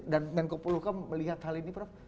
dan menko poloka melihat hal ini prof